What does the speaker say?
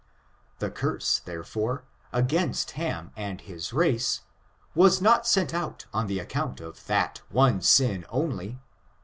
The curse, therefore, against Ham and his race was not sent out on the account of that one sin only.